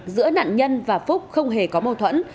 giữa nạn nhân và phúc không hề có mâu thuẫn